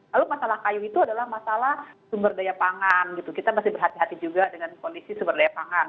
lalu masalah kayu itu adalah masalah sumber daya pangan gitu kita masih berhati hati juga dengan kondisi sumber daya pangan